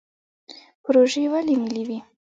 پروژې ولې ملي وي؟